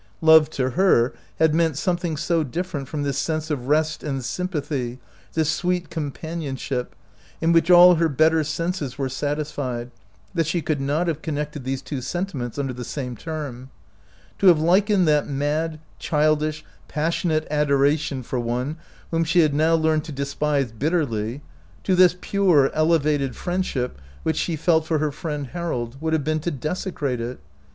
Love to her had meant something so different from this sense of rest and sympathy, this sweet companion ship, in which all her better senses were sat isfied, that she could not have connected these two sentiments under the same term. To have likened that mad, childish, passion 5 65 OUT OF BOHEMIA ate adoration for one whom she had now learned to despise bitterly, to this pure, elevated friendship which she felt for her friend Harold, would have been to desecrate it.